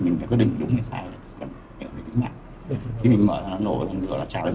mình nghe tiếng hô hoán mình bởi vì mình thấy nổ thì mình lựa ra chạm